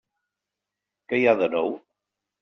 Què hi ha de nou?